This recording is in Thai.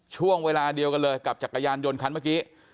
ช่วงเวลาเดียวกันเลยกับจักรยานยนต์คันเมื่อกี้